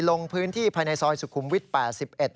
ลงพื้นที่ภายในซอยสุขุมวิทย์๘๑